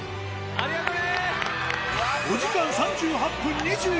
ありがとうね！